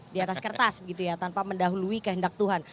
di atas kertas gitu ya tanpa mendahului kehendak tuhan